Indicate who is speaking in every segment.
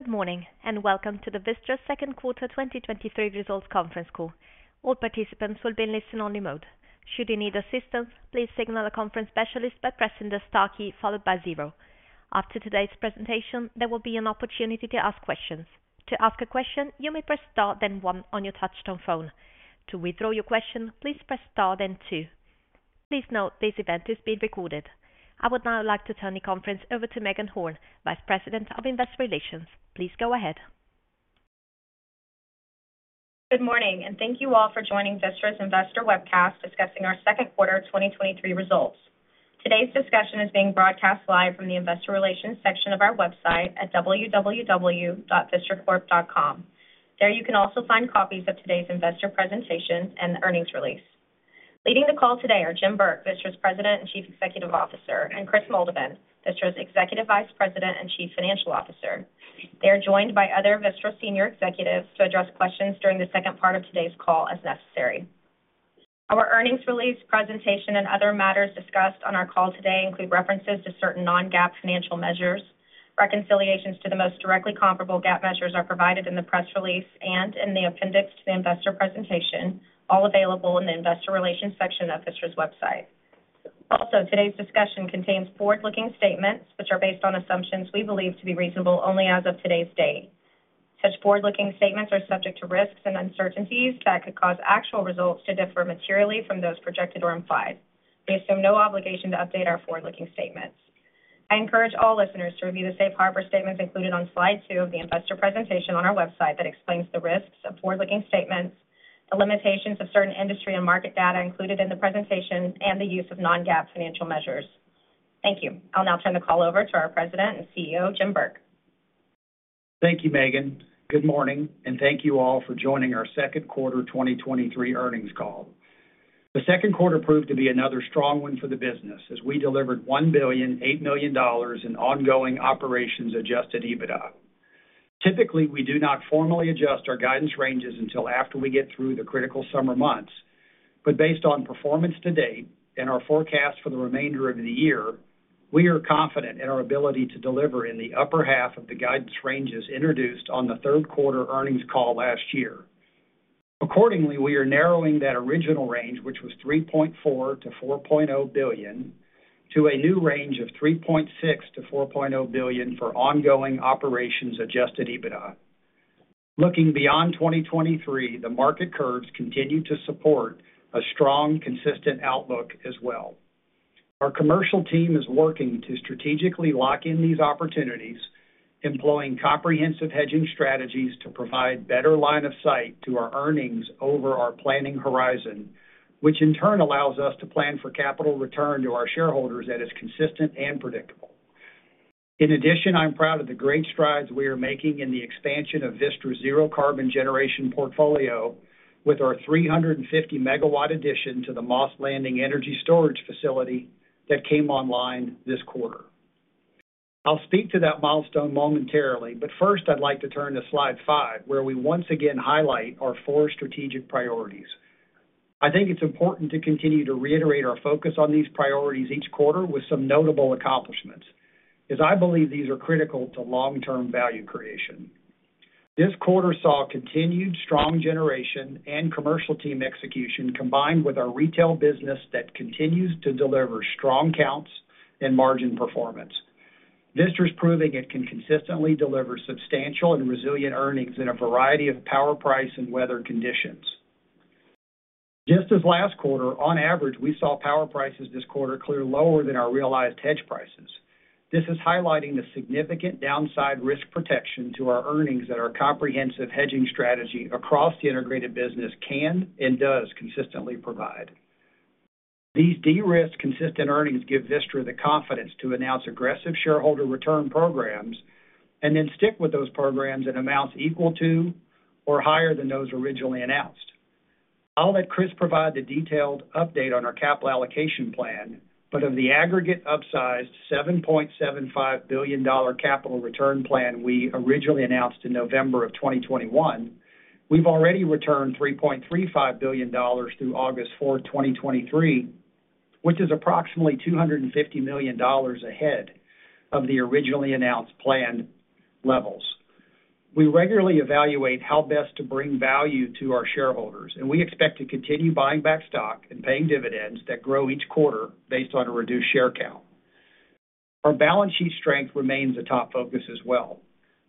Speaker 1: Good morning, welcome to the Vistra Second Quarter 2023 Results Conference Call. All participants will be in listen-only mode. Should you need assistance, please signal a conference specialist by pressing the star key followed by zero. After today's presentation, there will be an opportunity to ask questions. To ask a question, you may press star, then one on your touchtone phone. To withdraw your question, please press star, then two. Please note, this event is being recorded. I would now like to turn the conference over to Meagan Horn, Vice President of Investor Relations. Please go ahead.
Speaker 2: Good morning, and thank you all for joining Vistra's Investor Webcast, discussing our second quarter 2023 results. Today's discussion is being broadcast live from the investor relations section of our website at www.vistracorp.com. There, you can also find copies of today's investor presentation and the earnings release. Leading the call today are Jim Burke, Vistra's President and Chief Executive Officer, and Kris Moldovan, Vistra's Executive Vice President and Chief Financial Officer. They are joined by other Vistra senior executives to address questions during the second part of today's call, as necessary. Our earnings release presentation and other matters discussed on our call today include references to certain non-GAAP financial measures. Reconciliations to the most directly comparable GAAP measures are provided in the press release and in the appendix to the investor presentation, all available in the investor relations section of Vistra's website. Today's discussion contains forward-looking statements which are based on assumptions we believe to be reasonable only as of today's date. Such forward-looking statements are subject to risks and uncertainties that could cause actual results to differ materially from those projected or implied. We assume no obligation to update our forward-looking statements. I encourage all listeners to review the safe harbor statements included on slide two of the investor presentation on our website that explains the risks of forward-looking statements, the limitations of certain industry and market data included in the presentation, and the use of non-GAAP financial measures. Thank you. I'll now turn the call over to our President and CEO, Jim Burke.
Speaker 3: Thank you, Meagan. Good morning, thank you all for joining our second quarter 2023 earnings call. The second quarter proved to be another strong one for the business, as we delivered $1.008 billion in ongoing operations Adjusted EBITDA. Typically, we do not formally adjust our guidance ranges until after we get through the critical summer months, but based on performance to date and our forecast for the remainder of the year, we are confident in our ability to deliver in the upper half of the guidance ranges introduced on the third quarter earnings call last year. Accordingly, we are narrowing that original range, which was $3.4 billion-$4.0 billion, to a new range of $3.6 billion-$4.0 billion for ongoing operations Adjusted EBITDA. Looking beyond 2023, the market curves continue to support a strong, consistent outlook as well. Our commercial team is working to strategically lock in these opportunities, employing comprehensive hedging strategies to provide better line of sight to our earnings over our planning horizon, which in turn allows us to plan for capital return to our shareholders that is consistent and predictable. In addition, I'm proud of the great strides we are making in the expansion of Vistra's zero carbon generation portfolio with our 350 MW addition to the Moss Landing Energy Storage Facility that came online this quarter. First, I'd like to turn to slide five, where we once again highlight our four strategic priorities. I think it's important to continue to reiterate our focus on these priorities each quarter with some notable accomplishments, as I believe these are critical to long-term value creation. This quarter saw continued strong generation and commercial team execution, combined with our retail business that continues to deliver strong counts and margin performance. Vistra is proving it can consistently deliver substantial and resilient earnings in a variety of power, price, and weather conditions. Just as last quarter, on average, we saw power prices this quarter clear lower than our realized hedge prices. This is highlighting the significant downside risk protection to our earnings that our comprehensive hedging strategy across the integrated business can and does consistently provide. These de-risked consistent earnings give Vistra the confidence to announce aggressive shareholder return programs, and then stick with those programs in amounts equal to or higher than those originally announced. I'll let Kris provide the detailed update on our capital allocation plan, but of the aggregate upsized $7.75 billion capital return plan we originally announced in November of 2021, we've already returned $3.35 billion through August 4, 2023, which is approximately $250 million ahead of the originally announced planned levels. We regularly evaluate how best to bring value to our shareholders, and we expect to continue buying back stock and paying dividends that grow each quarter based on a reduced share count. Our balance sheet strength remains a top focus as well.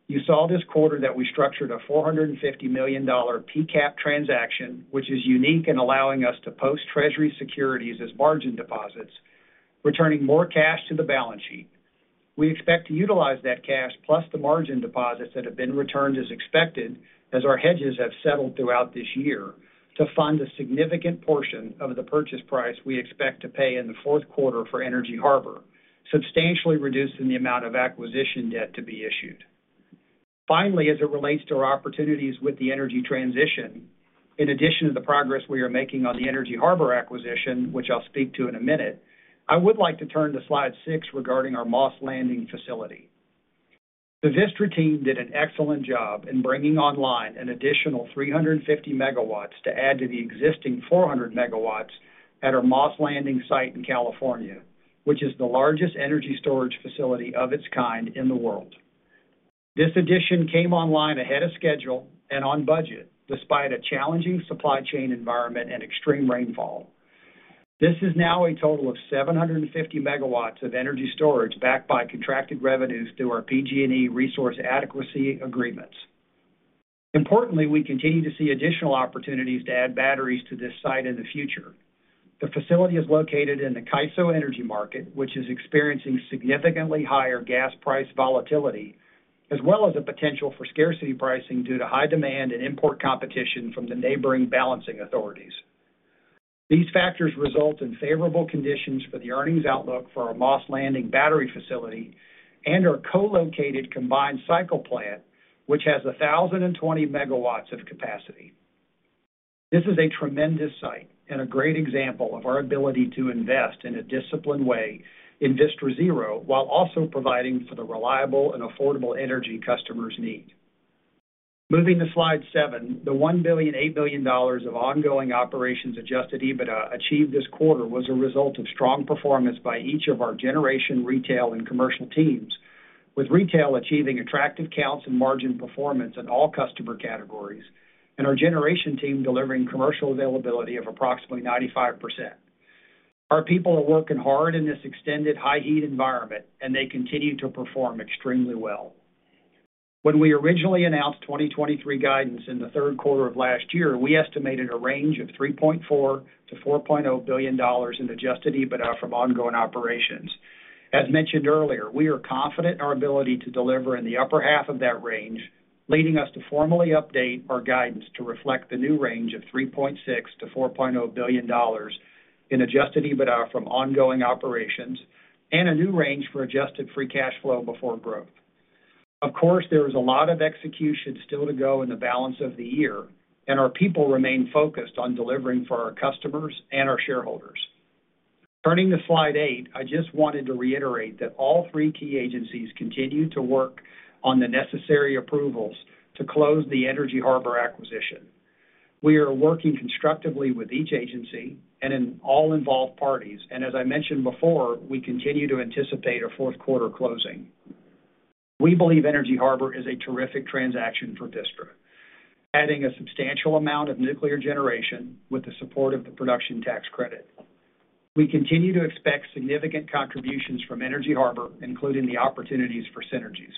Speaker 3: You saw this quarter that we structured a $450 million PCAP transaction, which is unique in allowing us to post Treasury securities as margin deposits, returning more cash to the balance sheet. We expect to utilize that cash, plus the margin deposits that have been returned as expected, as our hedges have settled throughout this year, to fund a significant portion of the purchase price we expect to pay in the fourth quarter for Energy Harbor, substantially reducing the amount of acquisition debt to be issued. Finally, as it relates to our opportunities with the energy transition, in addition to the progress we are making on the Energy Harbor acquisition, which I'll speak to in a minute, I would like to turn to slide six regarding our Moss Landing facility. The Vistra team did an excellent job in bringing online an additional 350 MW to add to the existing 400 MW at our Moss Landing site in California which is the largest energy storage facility of its kind in the world. This addition came online ahead of schedule and on budget, despite a challenging supply chain environment and extreme rainfall. This is now a total of 750 MW of energy storage, backed by contracted revenues through our PG&E resource adequacy agreements. Importantly, we continue to see additional opportunities to add batteries to this site in the future. The facility is located in the CAISO energy market, which is experiencing significantly higher gas price volatility, as well as a potential for scarcity pricing due to high demand and import competition from the neighboring balancing authorities. These factors result in favorable conditions for the earnings outlook for our Moss Landing battery facility and our co-located combined cycle plant, which has 1,020 MW of capacity. This is a tremendous site and a great example of our ability to invest in a disciplined way in Vistra Zero, while also providing for the reliable and affordable energy customers need. Moving to slide seven, the $1.008 billion of ongoing operations Adjusted EBITDA achieved this quarter was a result of strong performance by each of our generation, retail, and commercial teams, with retail achieving attractive counts and margin performance in all customer categories, and our generation team delivering commercial availability of approximately 95%. Our people are working hard in this extended high heat environment. They continue to perform extremely well. When we originally announced 2023 guidance in the third quarter of last year, we estimated a range of $3.4 billion-$4.0 billion in Adjusted EBITDA from ongoing operations. As mentioned earlier, we are confident in our ability to deliver in the upper half of that range, leading us to formally update our guidance to reflect the new range of $3.6 billion-$4.0 billion in Adjusted EBITDA from ongoing operations and a new range for adjusted free cash flow before growth. Of course, there is a lot of execution still to go in the balance of the year, and our people remain focused on delivering for our customers and our shareholders. Turning to slide eight, I just wanted to reiterate that all three key agencies continue to work on the necessary approvals to close the Energy Harbor acquisition. We are working constructively with each agency and in all involved parties, and as I mentioned before, we continue to anticipate a fourth quarter closing. We believe Energy Harbor is a terrific transaction for Vistra, adding a substantial amount of nuclear generation with the support of the production tax credit. We continue to expect significant contributions from Energy Harbor, including the opportunities for synergies.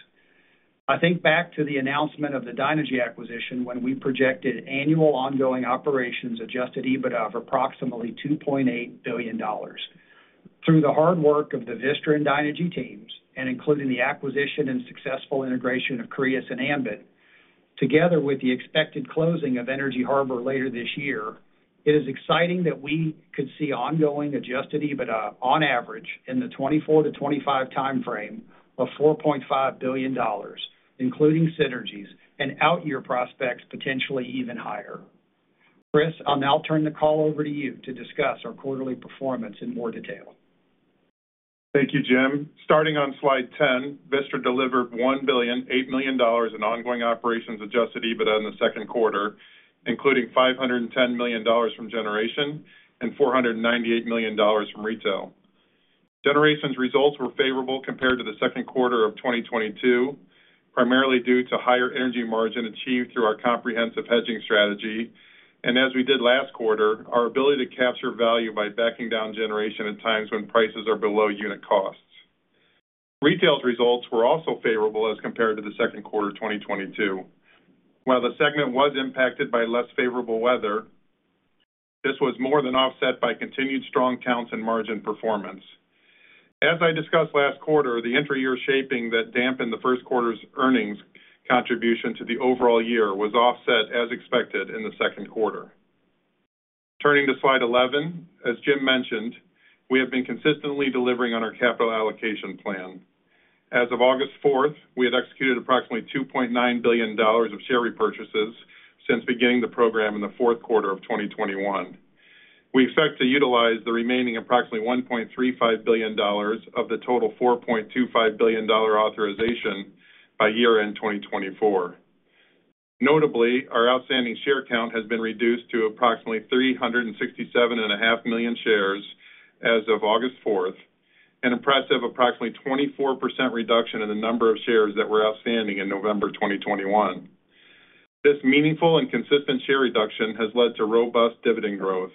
Speaker 3: I think back to the announcement of the Dynegy acquisition, when we projected annual ongoing operations Adjusted EBITDA of approximately $2.8 billion. Through the hard work of the Vistra and Dynegy teams, and including the acquisition and successful integration of Crius and Ambit, together with the expected closing of Energy Harbor later this year, it is exciting that we could see ongoing Adjusted EBITDA on average in the 2024 to 2025 time frame of $4.5 billion, including synergies and out-year prospects, potentially even higher. Kris, I'll now turn the call over to you to discuss our quarterly performance in more detail.
Speaker 4: Thank you, Jim. Starting on slide 10, Vistra delivered $1,008 million in ongoing operations Adjusted EBITDA in the second quarter, including $510 million from generation and $498 million from retail. Generations results were favorable compared to the second quarter of 2022, primarily due to higher energy margin achieved through our comprehensive hedging strategy. As we did last quarter, our ability to capture value by backing down generation at times when prices are below unit costs. Retail's results were also favorable as compared to the second quarter of 2022. While the segment was impacted by less favorable weather, this was more than offset by continued strong counts and margin performance. As I discussed last quarter, the intra-year shaping that dampened the first quarter's earnings contribution to the overall year was offset as expected in the second quarter. Turning to slide 11, as Jim mentioned, we have been consistently delivering on our capital allocation plan. As of August 4th, we had executed approximately $2.9 billion of share repurchases since beginning the program in the fourth quarter of 2021. We expect to utilize the remaining approximately $1.35 billion of the total $4.25 billion authorization by year-end 2024. Notably, our outstanding share count has been reduced to approximately 367.5 million shares as of August 4th, an impressive approximately 24% reduction in the number of shares that were outstanding in November 2021. This meaningful and consistent share reduction has led to robust dividend growth.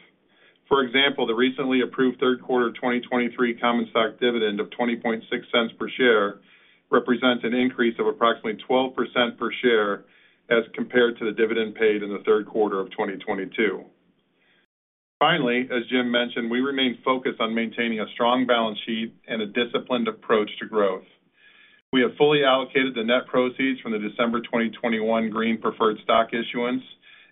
Speaker 4: For example, the recently approved third quarter 2023 common stock dividend of $0.206 per share represents an increase of approximately 12% per share as compared to the dividend paid in the third quarter of 2022. Finally, as Jim mentioned, we remain focused on maintaining a strong balance sheet and a disciplined approach to growth. We have fully allocated the net proceeds from the December 2021 green preferred stock issuance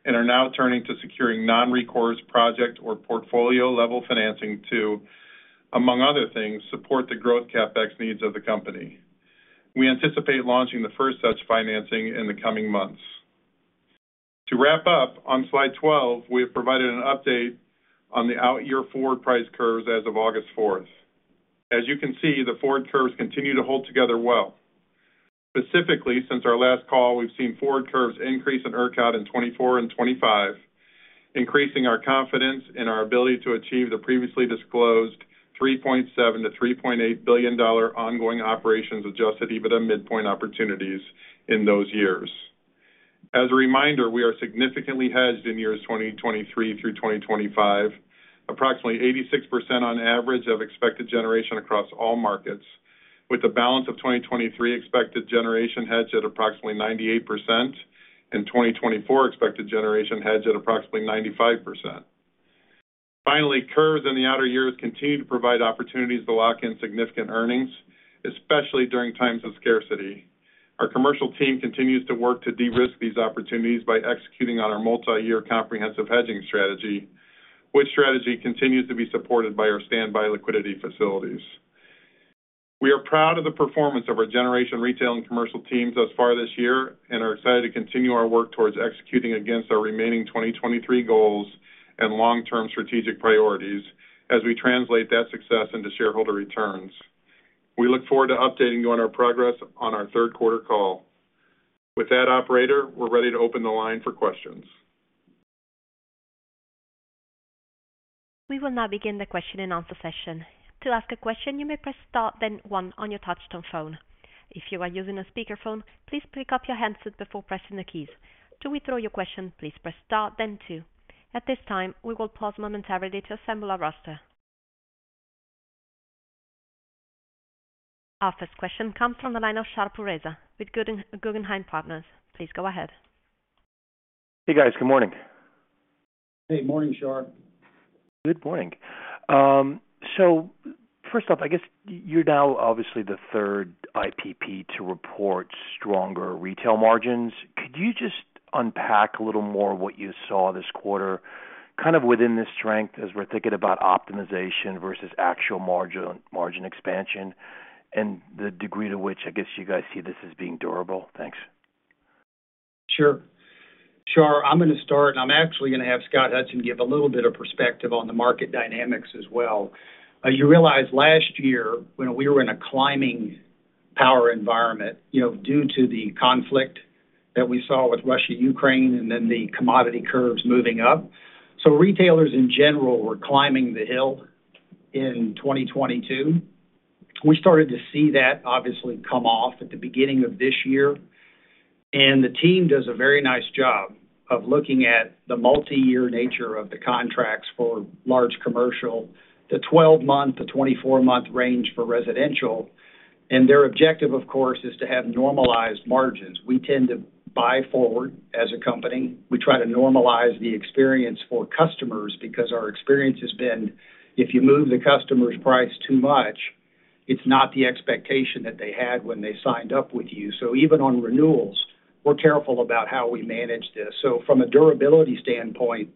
Speaker 4: and are now turning to securing non-recourse project or portfolio-level financing to, among other things, support the growth CapEx needs of the company. We anticipate launching the first such financing in the coming months. To wrap up, on slide 12, we have provided an update on the out-year forward price curves as of August 4. As you can see, the forward curves continue to hold together well. Specifically, since our last call, we've seen forward curves increase in ERCOT in 2024 and 2025, increasing our confidence in our ability to achieve the previously disclosed $3.7 billion-$3.8 billion ongoing operations, Adjusted EBITDA midpoint opportunities in those years. As a reminder, we are significantly hedged in years 2023 through 2025, approximately 86% on average of expected generation across all markets, with a balance of 2023 expected generation hedged at approximately 98% and 2024 expected generation hedged at approximately 95%. Finally, curves in the outer years continue to provide opportunities to lock in significant earnings, especially during times of scarcity. Our commercial team continues to work to de-risk these opportunities by executing on our multi-year comprehensive hedging strategy, which strategy continues to be supported by our standby liquidity facilities. We are proud of the performance of our generation, retail, and commercial teams thus far this year, and are excited to continue our work towards executing against our remaining 2023 goals and long-term strategic priorities as we translate that success into shareholder returns. We look forward to updating you on our progress on our third quarter call. With that, operator, we're ready to open the line for questions.
Speaker 1: We will now begin the question and answer session. To ask a question, you may press Star, then One on your touchtone phone. If you are using a speakerphone, please pick up your handset before pressing the keys. To withdraw your question, please press star then two. At this time, we will pause momentarily to assemble our roster. Our first question comes from the line of Shar Pourreza with Guggenheim Partners. Please go ahead.
Speaker 5: Hey, guys. Good morning.
Speaker 3: Hey, morning, Shar.
Speaker 5: Good morning. First off, I guess you're now obviously the third IPP to report stronger retail margins. Could you just unpack a little more what you saw this quarter, kind of within this strength, as we're thinking about optimization versus actual margin, margin expansion and the degree to which I guess you guys see this as being durable? Thanks.
Speaker 3: Sure. Shar, I'm going to start, and I'm actually going to have Scott Hudson give a little bit of perspective on the market dynamics as well. As you realize, last year, when we were in a climbing power environment, you know, due to the conflict that we saw with Russia, Ukraine, and then the commodity curves moving up. Retailers in general were climbing the hill in 2022. We started to see that obviously come off at the beginning of this year, and the team does a very nice job of looking at the multi-year nature of the contracts for large commercial, the 12-month to 24-month range for residential. Their objective, of course, is to have normalized margins. We tend to buy forward as a company. We try to normalize the experience for customers because our experience has been, if you move the customer's price too much, it's not the expectation that they had when they signed up with you. Even on renewals, we're careful about how we manage this. From a durability standpoint,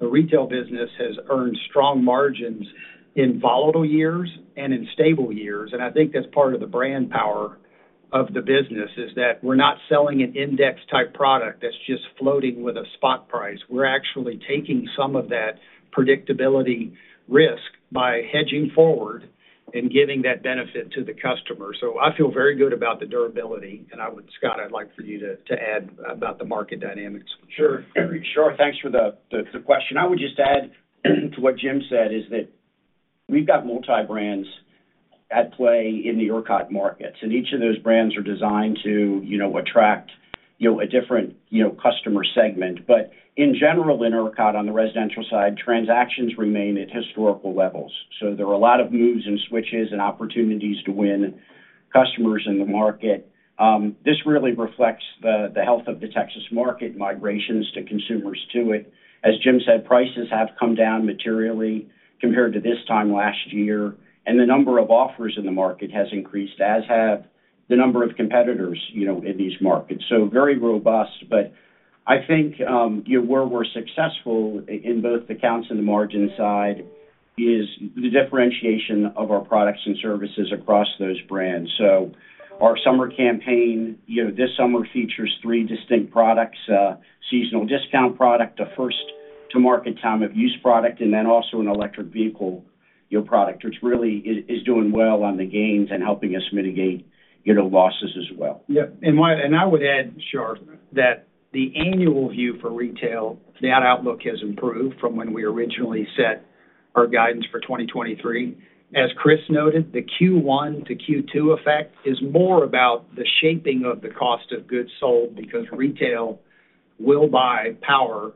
Speaker 3: the retail business has earned strong margins in volatile years and in stable years. I think that's part of the brand power of the business, is that we're not selling an index-type product that's just floating with a spot price. We're actually taking some of that predictability risk by hedging forward and giving that benefit to the customer. I feel very good about the durability. I would, Scott, I'd like for you to, to add about the market dynamics.
Speaker 6: Sure, sure. Thanks for the, the question. I would just add to what Jim said, is that we've got multi-brands at play in the ERCOT markets, and each of those brands are designed to, you know, attract, you know, a different, you know, customer segment. In general, in ERCOT, on the residential side, transactions remain at historical levels. There are a lot of moves and switches and opportunities to win customers in the market. This really reflects the, the health of the Texas market, migrations to consumers to it. As Jim said, prices have come down materially compared to this time last year, and the number of offers in the market has increased, as have the number of competitors, you know, in these markets. Very robust, but I think, where we're successful in both the accounts and the margin side is the differentiation of our products and services across those brands. Our summer campaign, you know, this summer features three distinct products: a seasonal discount product, a first to market time of use product, and then also an electric vehicle, your product, which really is, is doing well on the gains and helping us mitigate, you know, losses as well.
Speaker 3: I would add, Shar, that the annual view for retail, that outlook has improved from when we originally set our guidance for 2023. As Kris noted, the Q1 to Q2 effect is more about the shaping of the cost of goods sold, because retail will buy power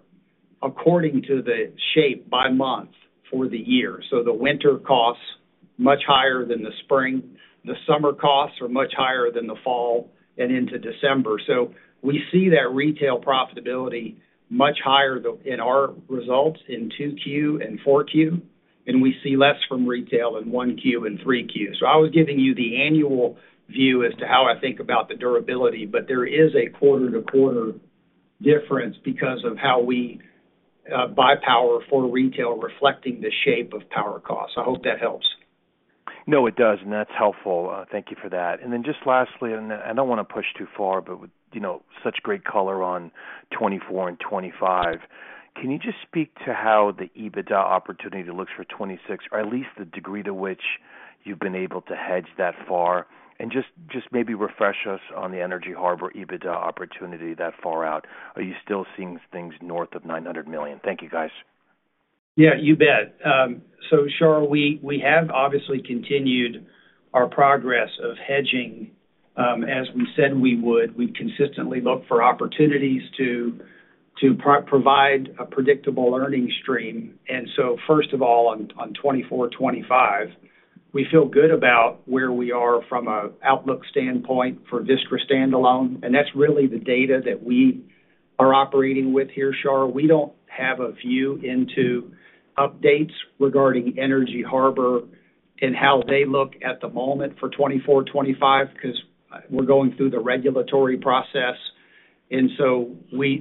Speaker 3: according to the shape by month for the year. The winter costs much higher than the spring, the summer costs are much higher than the fall and into December. We see that retail profitability much higher though, in our results in 2Q and 4Q, and we see less from retail in 1Q and 3Q. I was giving you the annual view as to how I think about the durability, but there is a quarter-to-quarter difference because of how we buy power for retail, reflecting the shape of power costs. I hope that helps.
Speaker 5: No, it does, and that's helpful. Thank you for that. Then just lastly, and I don't want to push too far, but with, you know, such great color on 2024 and 2025, can you just speak to how the EBITDA opportunity looks for 2026, or at least the degree to which you've been able to hedge that far. Just, just maybe refresh us on the Energy Harbor EBITDA opportunity that far out. Are you still seeing things north of $900 million? Thank you, guys.
Speaker 3: Yeah, you bet. Shar, we, we have obviously continued our progress of hedging, as we said we would. We consistently look for opportunities to provide a predictable earning stream. First of all, on, on 2024, 2025, we feel good about where we are from a outlook standpoint for Vistra standalone, and that's really the data that we are operating with here, Shar. We don't have a view into updates regarding Energy Harbor and how they look at the moment for 2024, 2025, because we're going through the regulatory process.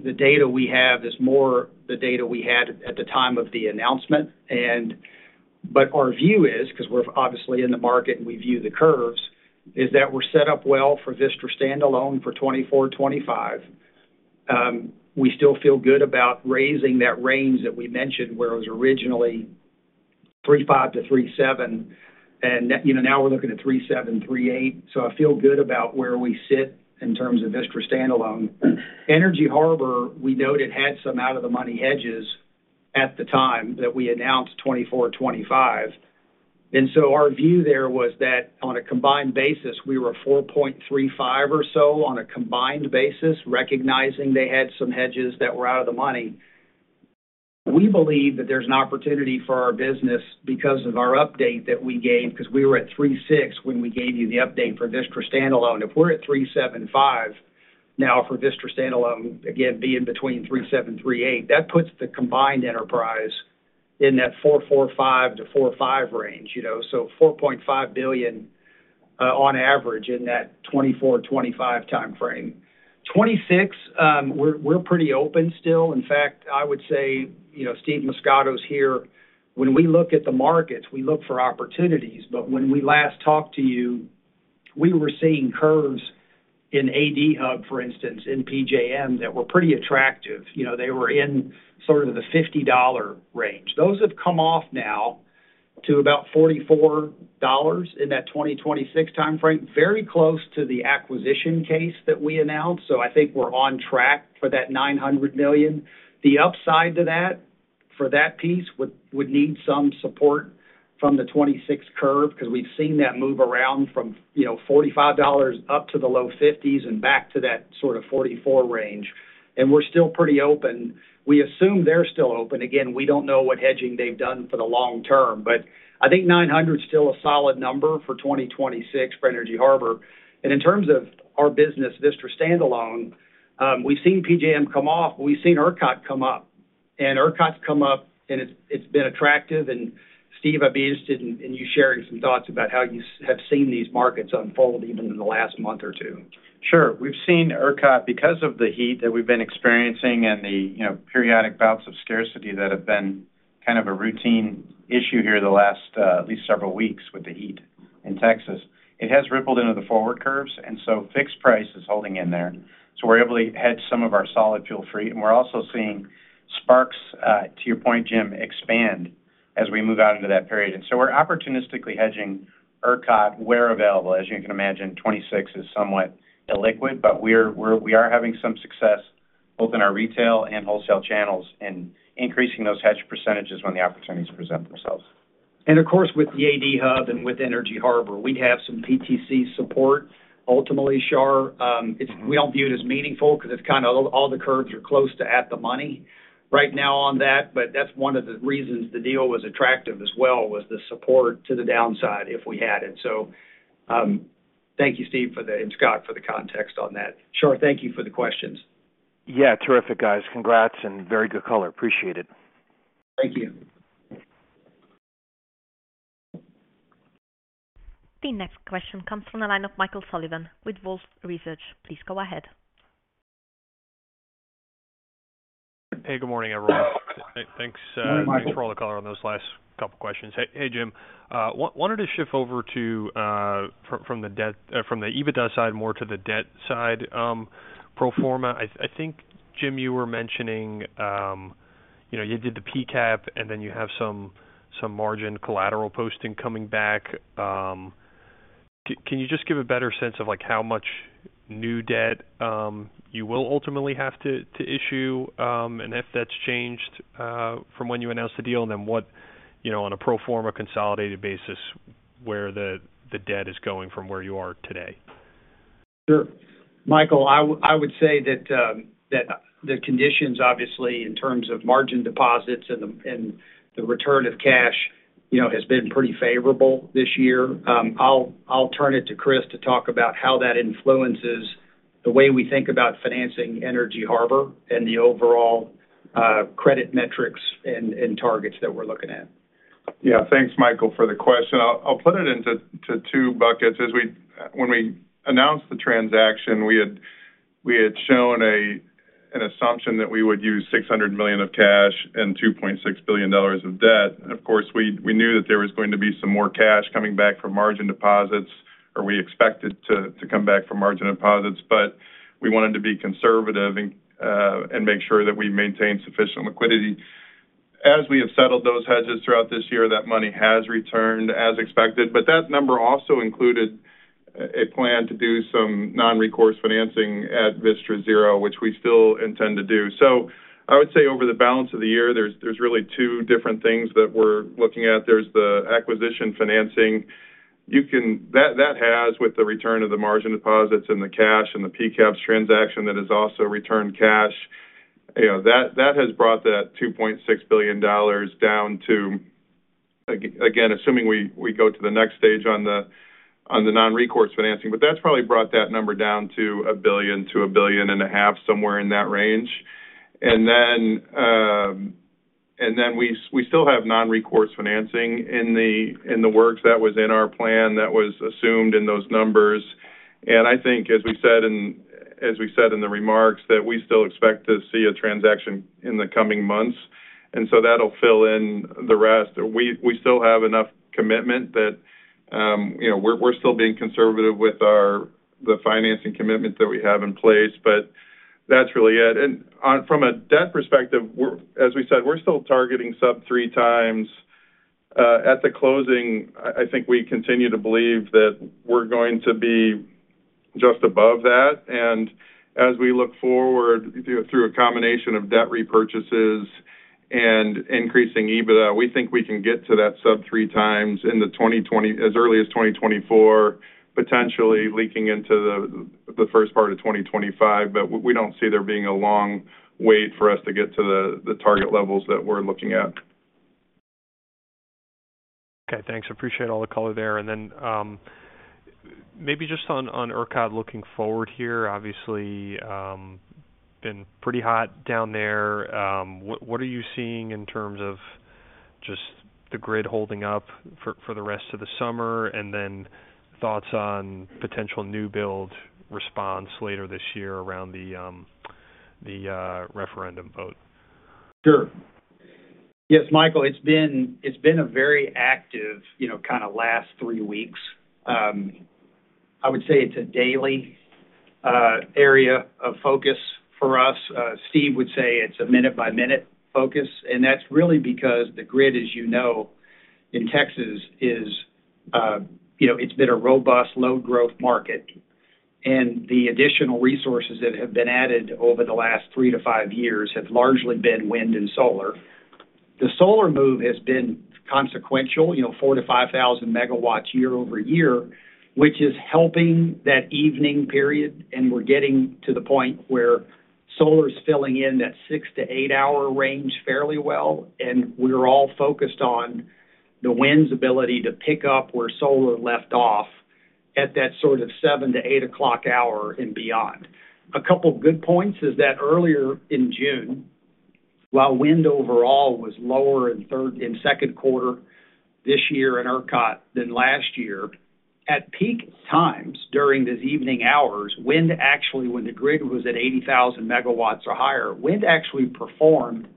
Speaker 3: The data we have is more the data we had at the time of the announcement. Our view is, because we're obviously in the market and we view the curves, is that we're set up well for Vistra standalone for 2024, 2025. We still feel good about raising that range that we mentioned, where it was originally $3.5 billion-$3.7 billion, you know, now we're looking at $3.7 billion-$3.8 billion. I feel good about where we sit in terms of Vistra standalone. Energy Harbor, we noted, had some out of the money hedges at the time that we announced 2024, 2025. Our view there was that on a combined basis, we were $4.35 billion or so on a combined basis, recognizing they had some hedges that were out of the money. We believe that there's an opportunity for our business because of our update that we gave, because we were at $3.6 billion when we gave you the update for Vistra standalone. If we're at $3.75 billion now for Vistra standalone, again, being between $3.7 billion-$3.8 billion, that puts the combined enterprise in that $4.45 billion-$4.5 billion range, you know, so $4.5 billion, on average in that 2024, 2025 time frame. 2026, we're, we're pretty open still. In fact, I would say, you know, Steve Muscato is here. When we look at the markets, we look for opportunities. When we last talked to you, we were seeing curves in AD Hub, for instance, in PJM, that were pretty attractive. You know, they were in sort of the $50 range. Those have come off now to about $44 in that 2026 time frame, very close to the acquisition case that we announced. I think we're on track for that $900 million. The upside to that, for that piece, would, would need some support from the 2026 curve, because we've seen that move around from, you know, $45 up to the low 50s and back to that sort of 44 range. We're still pretty open. We assume they're still open. Again, we don't know what hedging they've done for the long term, but I think $900 is still a solid number for 2026 for Energy Harbor. In terms of our business, Vistra standalone, we've seen PJM come off, but we've seen ERCOT come up. ERCOT's come up, and it's, it's been attractive. Steve, I'd be interested in, in you sharing some thoughts about how you have seen these markets unfold even in the last month or two.
Speaker 7: Sure. We've seen ERCOT because of the heat that we've been experiencing and the, you know, periodic bouts of scarcity that have been kind of a routine issue here the last, at least several weeks with the heat in Texas. It has rippled into the forward curves, fixed price is holding in there. We're able to hedge some of our solid fuel fleet, and we're also seeing spark spreads, to your point, Jim, expand as we move out into that period. We're opportunistically hedging ERCOT, where available. As you can imagine, 26 is somewhat illiquid, but we're, we are having some success both in our retail and wholesale channels in increasing those hedge percentages when the opportunities present themselves.
Speaker 3: Of course, with the AD Hub and with Energy Harbor, we have some PTC support. Ultimately, Shar, we don't view it as meaningful because it's kind of all the curves are close to at the money right now on that, but that's one of the reasons the deal was attractive as well, was the support to the downside if we had it. Thank you, Steve, and Scott, for the context on that. Shar, thank you for the questions.
Speaker 5: Yeah, terrific, guys. Congrats, and very good color. Appreciate it.
Speaker 3: Thank you.
Speaker 1: The next question comes from the line of Michael Sullivan with Wolfe Research. Please go ahead.
Speaker 8: Hey, good morning, everyone.
Speaker 3: Hello.
Speaker 8: Thanks.
Speaker 3: Hey, Michael.
Speaker 8: Thanks for all the color on those last couple of questions. Hey, Jim, wanted to shift over to from the EBITDA side, more to the debt side, pro forma. I think, Jim, you were mentioning, you know, you did the PCAP, and then you have some, some margin collateral posting coming back. Can you just give a better sense of, like, how much new debt you will ultimately have to, to issue, and if that's changed from when you announced the deal? Then what, you know, on a pro forma consolidated basis, where the, the debt is going from where you are today?
Speaker 3: Sure. Michael, I would say that, that the conditions, obviously, in terms of margin deposits and the, and the return of cash, you know, has been pretty favorable this year. I'll turn it to Kris to talk about how that influences the way we think about financing Energy Harbor and the overall, credit metrics and, and targets that we're looking at.
Speaker 4: Yeah. Thanks, Michael, for the question. I'll put it into two buckets. When we announced the transaction, we had shown an assumption that we would use $600 million of cash and $2.6 billion of debt. Of course, we knew that there was going to be some more cash coming back from margin deposits, or we expected to come back from margin deposits, but we wanted to be conservative and make sure that we maintained sufficient liquidity. As we have settled those hedges throughout this year, that money has returned as expected. That number also included a plan to do some non-recourse financing at Vistra Zero, which we still intend to do. I would say over the balance of the year, there's really two different things that we're looking at. There's the acquisition financing. That has, with the return of the margin deposits and the cash and the PCAP's transaction, that has also returned cash. You know, that has brought that $2.6 billion down to, again, assuming we go to the next stage on the non-recourse financing, but that's probably brought that number down to $1 billion-$1.5 billion, somewhere in that range. Then we still have non-recourse financing in the works. That was in our plan, that was assumed in those numbers. I think, as we said in as we said in the remarks, that we still expect to see a transaction in the coming months, that'll fill in the rest. We, we still have enough commitment that, you know, we're, we're still being conservative with the financing commitments that we have in place, but that's really it. From a debt perspective, as we said, we're still targeting sub three times. At the closing, I, I think we continue to believe that we're going to be just above that. As we look forward, through a combination of debt repurchases and increasing EBITDA, we think we can get to that sub three times as early as 2024, potentially leaking into the first part of 2025. We don't see there being a long wait for us to get to the, the target levels that we're looking at.
Speaker 8: Okay, thanks. I appreciate all the color there. Maybe just on, on ERCOT, looking forward here, obviously, been pretty hot down there. What, what are you seeing in terms of just the grid holding up for, for the rest of the summer? Thoughts on potential new build response later this year around the, the, referendum vote?
Speaker 3: Sure. Yes, Michael, it's been, it's been a very active, you know, kind of last three weeks. I would say it's a daily area of focus for us. Steve would say it's a minute-by-minute focus, and that's really because the grid, as you know, in Texas, is, you know, it's been a robust, low-growth market. The additional resources that have been added over the last three to five years have largely been wind and solar. The solar move has been consequential, you know, 4,000 MW-5,000 MW year-over-year, which is helping that evening period, and we're getting to the point where solar is filling in that six to eight-hour range fairly well, and we're all focused on the wind's ability to pick up where solar left off at that sort of 7o'clock-8 o'clock hour and beyond. A couple of good points is that earlier in June, while wind overall was lower in third in second quarter this year in ERCOT than last year, at peak times during those evening hours, wind actually, when the grid was at 80,000 MW or higher, wind actually performed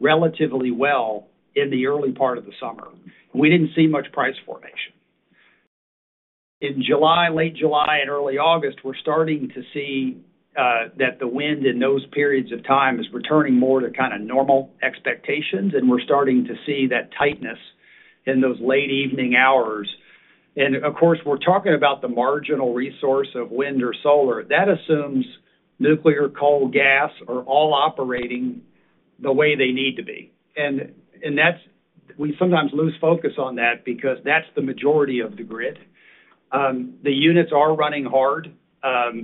Speaker 3: relatively well in the early part of the summer. We didn't see much price formation. In July, late July and early August, we're starting to see that the wind in those periods of time is returning more to kind of normal expectations, and we're starting to see that tightness in those late evening hours. Of course, we're talking about the marginal resource of wind or solar. That assumes nuclear, coal, gas, are all operating the way they need to be. That's we sometimes lose focus on that because that's the majority of the grid. The units are running hard.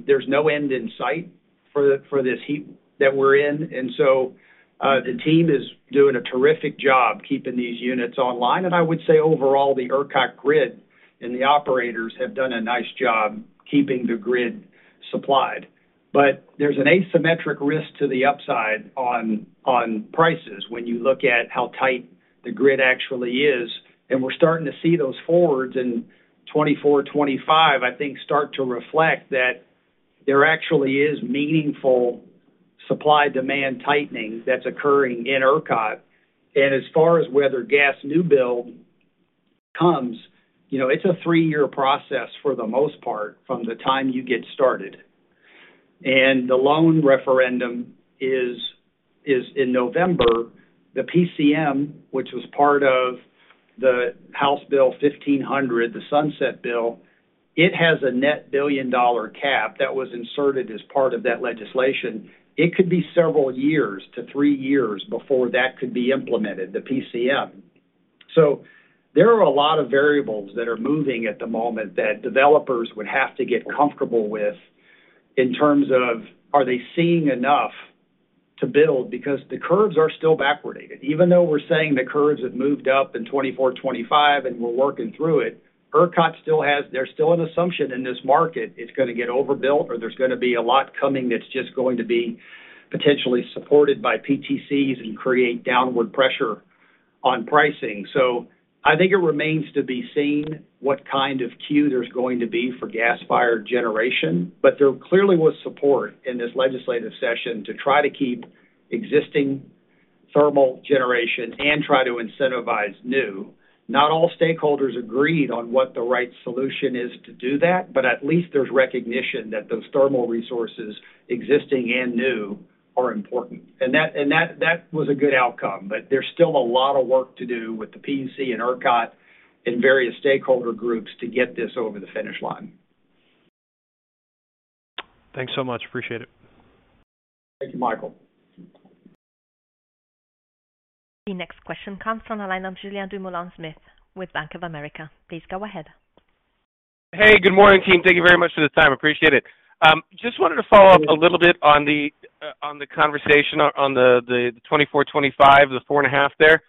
Speaker 3: There's no end in sight for this heat that we're in. The team is doing a terrific job keeping these units online. I would say overall, the ERCOT grid and the operators have done a nice job keeping the grid supplied. There's an asymmetric risk to the upside on, on prices when you look at how tight the grid actually is, and we're starting to see those forwards in 2024, 2025, I think, start to reflect that there actually is meaningful supply-demand tightening that's occurring in ERCOT. As far as whether gas new build comes, you know, it's a three-year process for the most part, from the time you get started. The loan referendum is in November. The PCM, which was part of the House Bill 1500, the Sunset Bill, it has a net $1 billion cap that was inserted as part of that legislation. It could be several years to three years before that could be implemented, the PCM. There are a lot of variables that are moving at the moment that developers would have to get comfortable with in terms of, are they seeing enough to build? Because the curves are still backwardated. Even though we're saying the curves have moved up in 2024, 2025 and we're working through it, ERCOT there's still an assumption in this market it's going to get overbuilt or there's going to be a lot coming that's just going to be potentially supported by PTCs and create downward pressure on pricing. I think it remains to be seen what kind of queue there's going to be for gas-fired generation, but there clearly was support in this legislative session to try to keep existing thermal generation and try to incentivize new. Not all stakeholders agreed on what the right solution is to do that, but at least there's recognition that those thermal resources, existing and new, are important. That, and that, that was a good outcome. There's still a lot of work to do with the PUC and ERCOT and various stakeholder groups to get this over the finish line.
Speaker 8: Thanks so much. Appreciate it.
Speaker 3: Thank you, Michael.
Speaker 1: The next question comes from the line of Julien Dumoulin-Smith with Bank of America. Please go ahead.
Speaker 9: Hey, good morning, team. Thank you very much for the time. Appreciate it. Just wanted to follow up a little bit on the conversation on the 2024, 2025, the 4.5 there.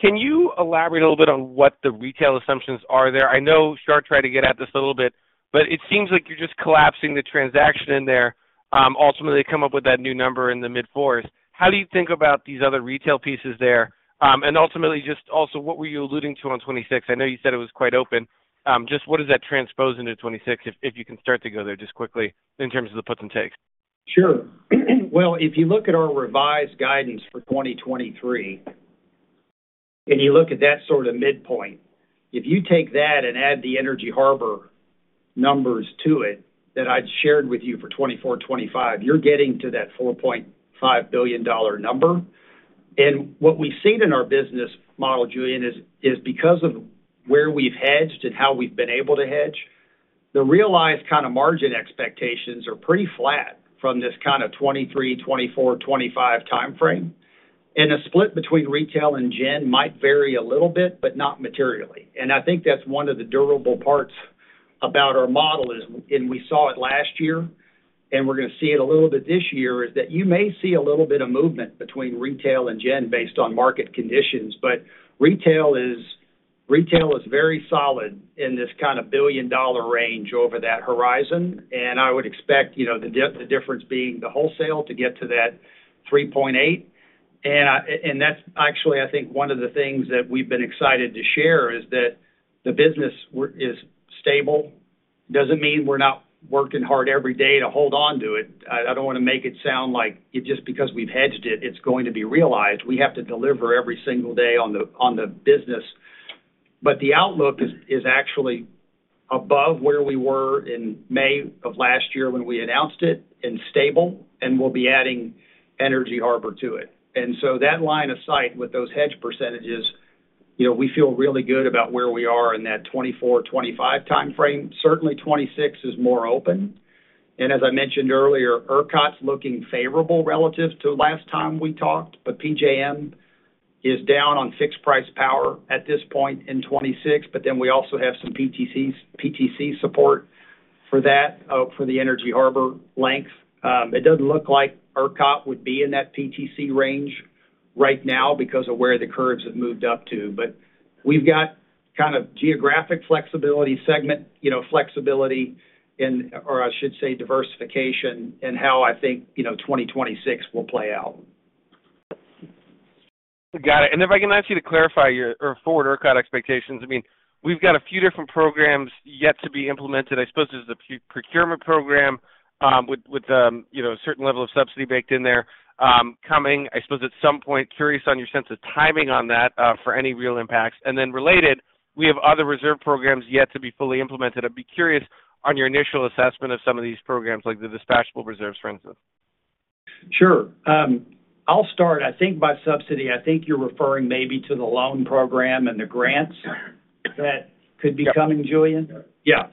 Speaker 9: Can you elaborate a little bit on what the retail assumptions are there? I know Shar tried to get at this a little bit, but it seems like you're just collapsing the transaction in there, ultimately come up with that new number in the mid-40s. How do you think about these other retail pieces there? Ultimately, just also, what were you alluding to on 2026? I know you said it was quite open. Just what does that transpose into 2026, if, if you can start to go there just quickly in terms of the puts and takes?
Speaker 3: Sure. Well, if you look at our revised guidance for 2023, you look at that sort of midpoint, if you take that and add the Energy Harbor numbers to it that I'd shared with you for 2024, 2025, you're getting to that $4.5 billion number. What we've seen in our business model, Julien, is because of where we've hedged and how we've been able to hedge, the realized kind of margin expectations are pretty flat from this kind of 2023, 2024, 2025 time frame. The split between retail and gen might vary a little bit, but not materially. I think that's one of the durable parts about our model is, and we saw it last year, and we're going to see it a little bit this year, is that you may see a little bit of movement between retail and gen based on market conditions, but retail is, retail is very solid in this kind of billion-dollar range over that horizon. I would expect, you know, the difference being the wholesale to get to that $3.8 billion. That's actually, I think, one of the things that we've been excited to share, is that the business is stable. Doesn't mean we're not working hard every day to hold on to it. I don't want to make it sound like just because we've hedged it, it's going to be realized. We have to deliver every single day on the, on the business. The outlook is, is actually above where we were in May of last year when we announced it, and stable, and we'll be adding Energy Harbor to it. So that line of sight with those hedge percentages, you know, we feel really good about where we are in that 2024, 2025 time frame. Certainly, 2026 is more open. As I mentioned earlier, ERCOT's looking favorable relative to last time we talked, but PJM is down on fixed-price power at this point in 2026. Then we also have some PTCs, PTC support for that, for the Energy Harbor length. It doesn't look like ERCOT would be in that PTC range right now because of where the curves have moved up to. We've got kind of geographic flexibility, segment, you know, flexibility, or I should say, diversification in how I think, you know, 2026 will play out.
Speaker 9: Got it. If I can ask you to clarify your forward ERCOT expectations. I mean, we've got a few different programs yet to be implemented. I suppose there's a procurement program, with, with, you know, a certain level of subsidy baked in there, coming, I suppose, at some point. Curious on your sense of timing on that, for any real impacts. Then related, we have other reserve programs yet to be fully implemented. I'd be curious on your initial assessment of some of these programs, like the dispatchable reserves, for instance.
Speaker 3: Sure. I'll start. I think by subsidy, I think you're referring maybe to the loan program and the grants that could be coming, Julien?
Speaker 9: Yeah.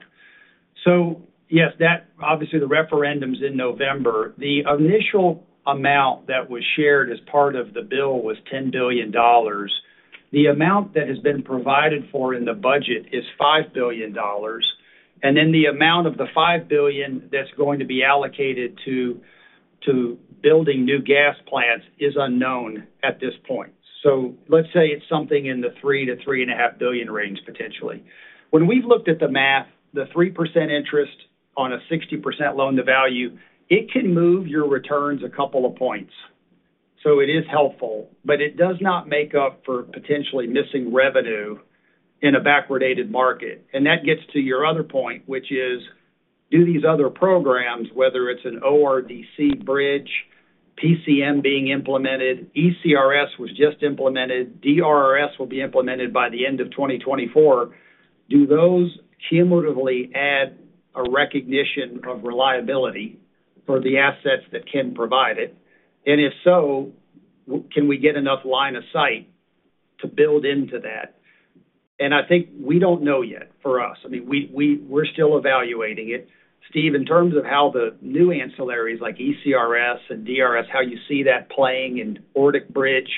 Speaker 3: Yeah. Yes, that, obviously, the referendum's in November. The initial amount that was shared as part of the bill was $10 billion. The amount that has been provided for in the budget is $5 billion, then the amount of the $5 billion that's going to be allocated to building new gas plants is unknown at this point. Let's say it's something in the $3 billion-$3.5 billion range, potentially. When we've looked at the math, the 3% interest on a 60% loan-to-value, it can move your returns a couple of points. It is helpful, but it does not make up for potentially missing revenue in a backwardated market. That gets to your other point, which is: do these other programs, whether it's an ORDC bridge, PCM being implemented, ECRS was just implemented, DRRS will be implemented by the end of 2024, do those cumulatively add a recognition of reliability for the assets that can provide it? If so, can we get enough line of sight to build into that? I think we don't know yet, for us. I mean, we're still evaluating it. Steve, in terms of how the new ancillaries like ECRS and DRRS, how you see that playing in ORDC bridge,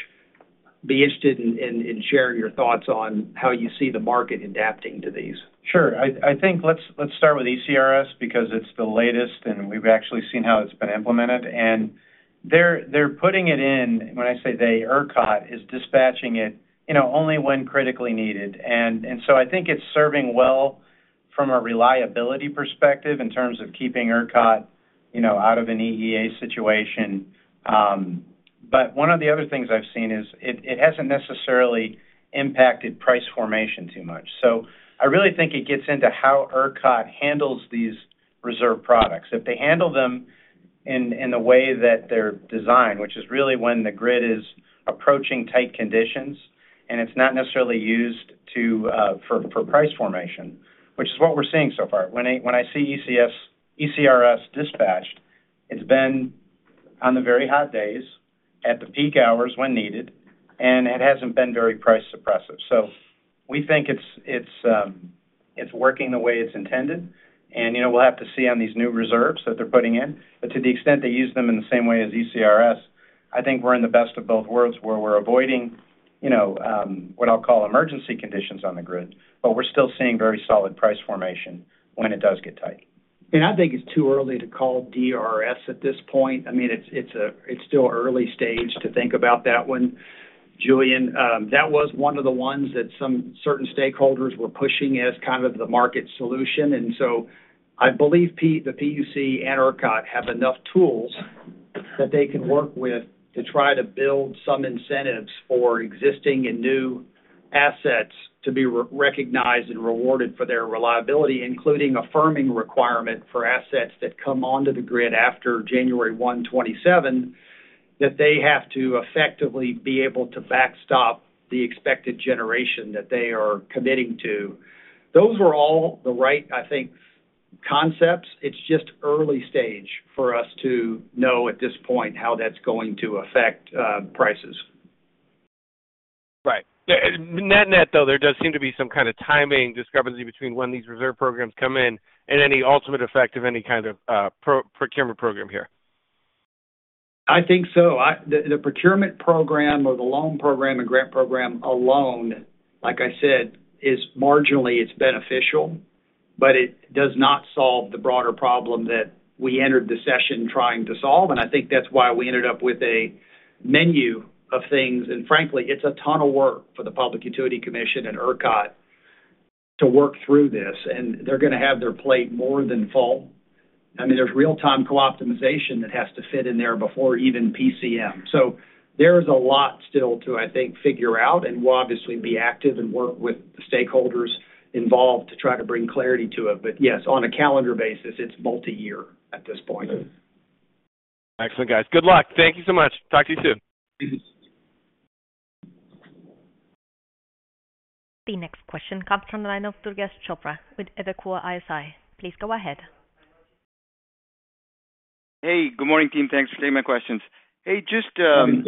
Speaker 3: be interested in sharing your thoughts on how you see the market adapting to these.
Speaker 7: Sure. I, I think let's, let's start with ECRS because it's the latest, and we've actually seen how it's been implemented. And they're, they're putting it in. When I say they, ERCOT is dispatching it, you know, only when critically needed. I think it's serving well from a reliability perspective in terms of keeping ERCOT, you know, out of an EEA situation. One of the other things I've seen is it, it hasn't necessarily impacted price formation too much. I really think it gets into how ERCOT handles these reserve products. If they handle them in the way that they're designed, which is really when the grid is approaching tight conditions, and it's not necessarily used to, for, for price formation, which is what we're seeing so far. When I, when I see ECRS dispatched, it's been on the very hot days, at the peak hours when needed, and it hasn't been very price suppressive. We think it's, it's working the way it's intended, and, you know, we'll have to see on these new reserves that they're putting in. To the extent they use them in the same way as ECRS, I think we're in the best of both worlds, where we're avoiding, you know, what I'll call emergency conditions on the grid, but we're still seeing very solid price formation when it does get tight.
Speaker 3: I think it's too early to call DRS at this point. I mean, it's, it's still early stage to think about that one, Julien. That was one of the ones that some certain stakeholders were pushing as kind of the market solution. I believe the PUC and ERCOT have enough tools that they can work with to try to build some incentives for existing and new assets to be re-recognized and rewarded for their reliability, including a firming requirement for assets that come onto the grid after January 1, 2027, that they have to effectively be able to backstop the expected generation that they are committing to. Those are all the right, I think, concepts. It's just early stage for us to know at this point how that's going to affect prices.
Speaker 9: Right. Net-net, though, there does seem to be some kind of timing discrepancy between when these reserve programs come in and any ultimate effect of any kind of, procurement program here.
Speaker 3: I think so. The, the procurement program, or the loan program, and grant program alone, like I said, is marginally, it's beneficial, but it does not solve the broader problem that we entered the session trying to solve, and I think that's why we ended up with a menu of things. Frankly, it's a ton of work for the Public Utility Commission and ERCOT to work through this, and they're going to have their plate more than full. I mean, there's Real-Time Co-Optimization that has to fit in there before even PCM. There is a lot still to, I think, figure out, and we'll obviously be active and work with the stakeholders involved to try to bring clarity to it. Yes, on a calendar basis, it's multi-year at this point.
Speaker 9: Excellent, guys. Good luck. Thank you so much. Talk to you soon.
Speaker 1: The next question comes from the line of Durgesh Chopra with Evercore ISI. Please go ahead.
Speaker 10: Hey, good morning, team. Thanks for taking my questions. Hey, just.
Speaker 3: Good morning,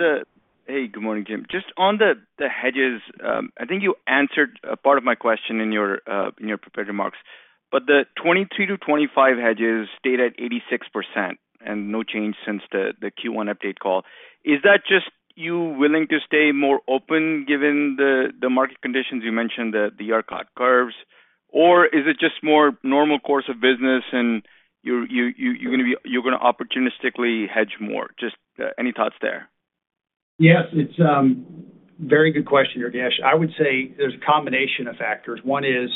Speaker 3: Durgesh.
Speaker 10: Hey, good morning, Jim. Just on the hedges, I think you answered a part of my question in your prepared remarks, but the 2023-2025 hedges stayed at 86% and no change since the Q1 update call. Is that just you willing to stay more open, given the market conditions? You mentioned the ERCOT curves. Is it just more normal course of business and you're going to opportunistically hedge more? Just any thoughts there?
Speaker 3: Yes, it's, very good question, Durgesh. I would say there's a combination of factors. One is,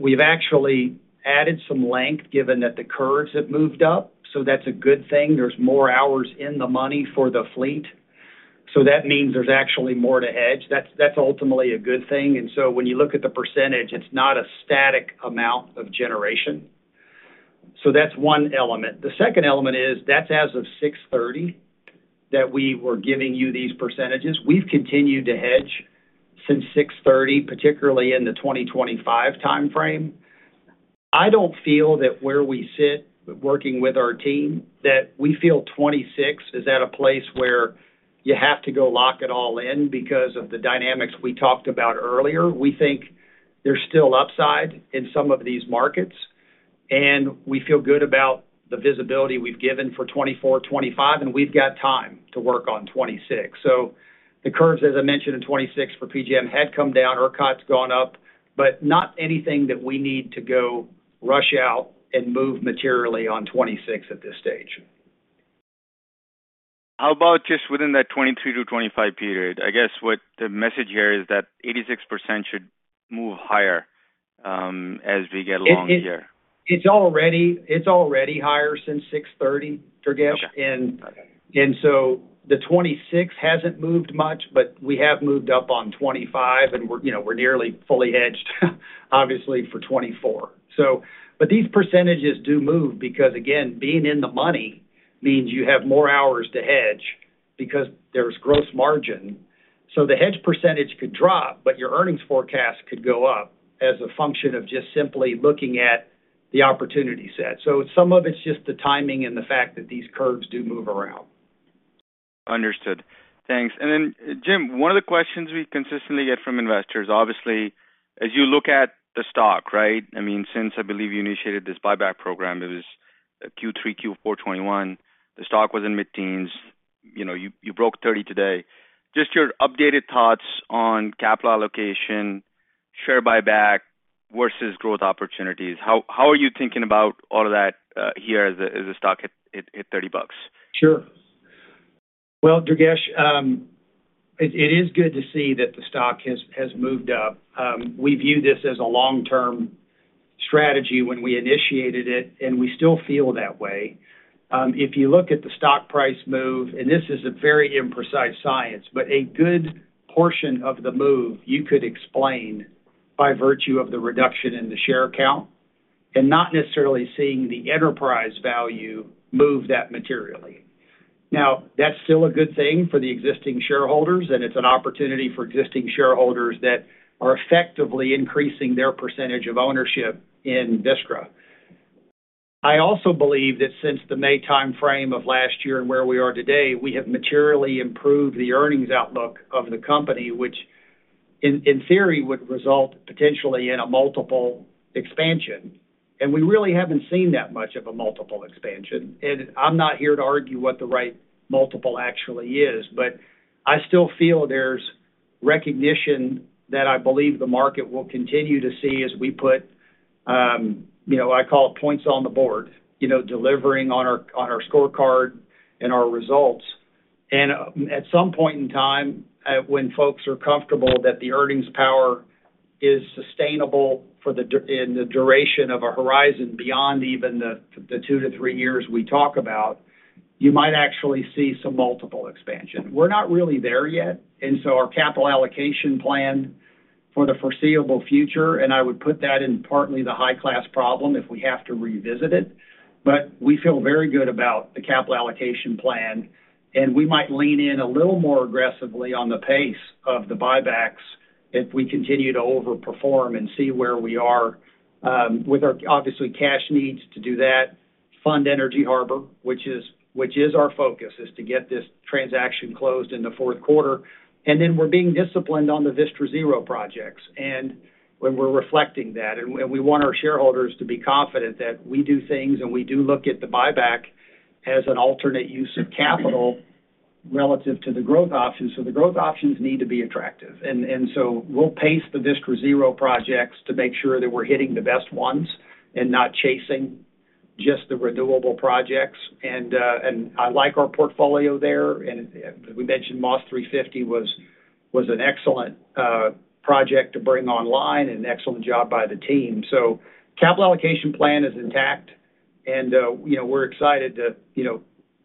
Speaker 3: we've actually added some length, given that the curves have moved up, so that's a good thing. There's more hours in the money for the fleet, so that means there's actually more to hedge. That's, that's ultimately a good thing. When you look at the percentage, it's not a static amount of generation. That's one element. The second element is, that's as of 6:30, that we were giving you these percentages. We've continued to hedge since 6:30, particularly in the 2025 timeframe. I don't feel that where we sit, working with our team, that we feel 2026 is at a place where you have to go lock it all in because of the dynamics we talked about earlier. We think there's still upside in some of these markets, and we feel good about the visibility we've given for 2024, 2025, and we've got time to work on 2026. The curves, as I mentioned, in 2026 for PJM, had come down. ERCOT's gone up, but not anything that we need to go rush out and move materially on 2026 at this stage.
Speaker 10: How about just within that 2023-2025 period? I guess what the message here is that 86% should move higher, as we get along here.
Speaker 3: It's already, it's already higher since 6:30, Durgesh.
Speaker 10: Okay.
Speaker 3: The 2026 hasn't moved much, but we have moved up on 2025, and we're, you know, we're nearly fully hedged, obviously, for 2024. These percentages do move because, again, being in the money means you have more hours to hedge because there's gross margin. The hedge percentage could drop, but your earnings forecast could go up as a function of just simply looking at the opportunity set. Some of it's just the timing and the fact that these curves do move around.
Speaker 10: Understood. Thanks. Then, Jim, one of the questions we consistently get from investors, obviously, as you look at the stock, right? I mean, since I believe you initiated this buyback program, it was Q3, Q4 2021, the stock was in mid-teens. You know, you, you broke 30 today. Just your updated thoughts on capital allocation, share buyback versus growth opportunities. How, how are you thinking about all of that, here as the, as the stock hit, hit $30?
Speaker 3: Sure. Well, Durgesh, it is good to see that the stock has moved up. We view this as a long-term strategy when we initiated it, we still feel that way. If you look at the stock price move, this is a very imprecise science, a good portion of the move you could explain by virtue of the reduction in the share count, not necessarily seeing the enterprise value move that materially. Now, that's still a good thing for the existing shareholders, it's an opportunity for existing shareholders that are effectively increasing their percentage of ownership in Vistra. I also believe that since the May time frame of last year and where we are today, we have materially improved the earnings outlook of the company, which in, in theory, would result potentially in a multiple expansion. We really haven't seen that much of a multiple expansion. I'm not here to argue what the right multiple actually is, but I still feel there's recognition that I believe the market will continue to see as we put, you know, I call it points on the board, you know, delivering on our, on our scorecard and our results. At some point in time, when folks are comfortable that the earnings power is sustainable for the in the duration of a horizon beyond even the, the two to three years we talk about, you might actually see some multiple expansion. We're not really there yet, and so our capital allocation plan for the foreseeable future, and I would put that in partly the high-class problem if we have to revisit it. We feel very good about the capital allocation plan, and we might lean in a little more aggressively on the pace of the buybacks if we continue to overperform and see where we are with our, obviously, cash needs to do that. Fund Energy Harbor, which is, which is our focus, is to get this transaction closed in the fourth quarter. We're being disciplined on the Vistra Zero projects, and when we're reflecting that. We want our shareholders to be confident that we do things, and we do look at the buyback as an alternate use of capital relative to the growth options. The growth options need to be attractive. We'll pace the Vistra Zero projects to make sure that we're hitting the best ones and not chasing just the renewable projects. I like our portfolio there, and we mentioned Moss 350 was an excellent project to bring online and an excellent job by the team. Capital allocation plan is intact, you know, we're excited to, you know,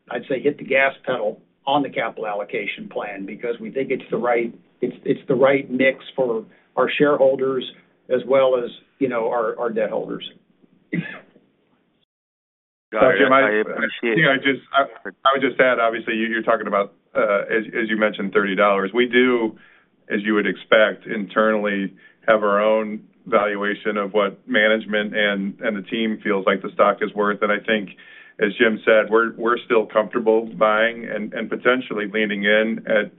Speaker 3: I'd say, hit the gas pedal on the capital allocation plan because we think it's, it's the right mix for our shareholders as well as, you know, our, our debt holders.
Speaker 10: Got it. I appreciate it.
Speaker 4: Yeah, I would just add, obviously, you're talking about, as, as you mentioned, $30. We do, as you would expect, internally have our own valuation of what management and, and the team feels like the stock is worth. I think, as Jim said, we're, we're still comfortable buying and, and potentially leaning in at,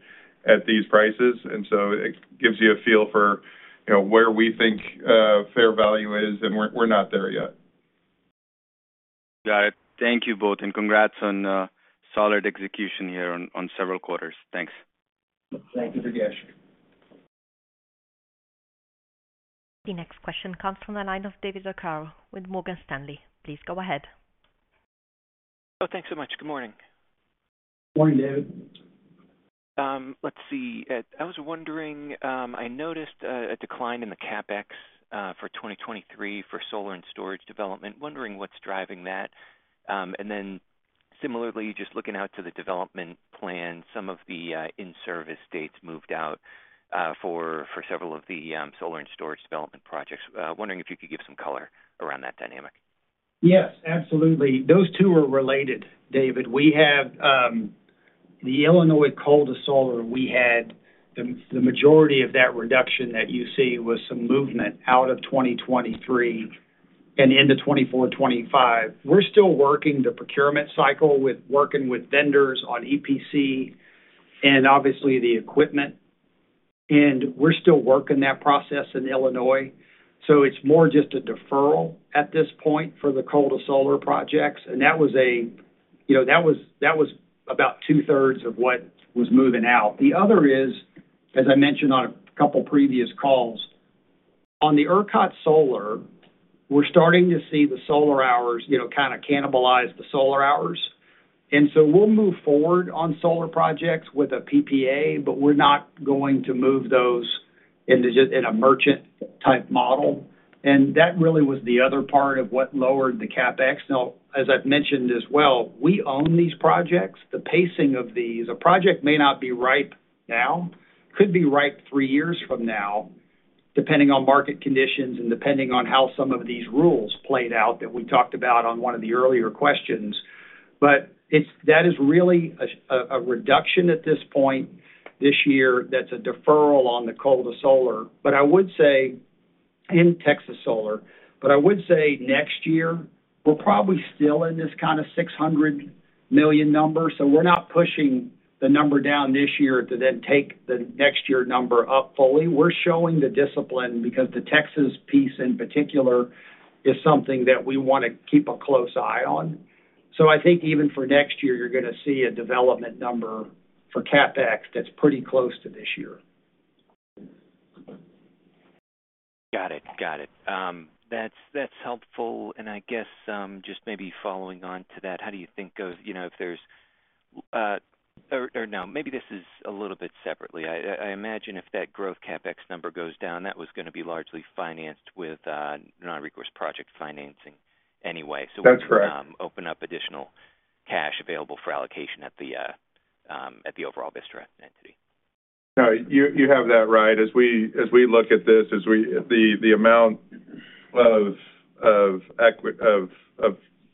Speaker 4: at these prices. So it gives you a feel for, you know, where we think fair value is, and we're, we're not there yet.
Speaker 10: Got it. Thank you both, and congrats on solid execution here on, on several quarters. Thanks.
Speaker 3: Thank you, Durgesh.
Speaker 1: The next question comes from the line of David Arcaro with Morgan Stanley. Please go ahead.
Speaker 11: Oh, thanks so much. Good morning.
Speaker 3: Good morning, David.
Speaker 11: Let's see. I was wondering, I noticed a decline in the CapEx for 2023 for solar and storage development. Wondering what's driving that? Then similarly, just looking out to the development plan, some of the in-service dates moved out for, for several of the solar and storage development projects. Wondering if you could give some color around that dynamic.
Speaker 3: Yes, absolutely. Those two are related, David. We have the Illinois Coal to Solar, we had the majority of that reduction that you see was some movement out of 2023 and into 2024, 2025. We're still working the procurement cycle with working with vendors on EPC and obviously the equipment, and we're still working that process in Illinois. It's more just a deferral at this point for the Coal-to-solar projects. That was a, you know, that was, that was about 2/3 of what was moving out. The other is, as I mentioned on a couple of previous calls, on the ERCOT solar, we're starting to see the solar hours, you know, kind of cannibalize the solar hours. We'll move forward on solar projects with a PPA, but we're not going to move those into in a merchant-type model. That really was the other part of what lowered the CapEx. Now, as I've mentioned as well, we own these projects. The pacing of these, a project may not be ripe now, could be ripe three years from now, depending on market conditions and depending on how some of these rules played out that we talked about on one of the earlier questions. That is really a, a, a reduction at this point this year that's a deferral on the Coal-to-solar. I would say next year, we're probably still in this kind of $600 million number, so we're not pushing the number down this year to then take the next year number up fully. We're showing the discipline because the Texas piece, in particular, is something that we want to keep a close eye on. I think even for next year, you're going to see a development number for CapEx that's pretty close to this year.
Speaker 11: Got it. Got it. That's, that's helpful. I guess, just maybe following on to that, how do you think you know, if there's, or, or no, maybe this is a little bit separately. I, I, I imagine if that growth CapEx number goes down, that was going to be largely financed with non-recourse project financing anyway.
Speaker 3: That's correct.
Speaker 11: Open up additional cash available for allocation at the overall Vistra entity.
Speaker 4: No, you, you have that right. As we, as we look at this, the amount.